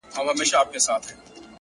مجاهد د خداى لپاره دى لوېدلى.!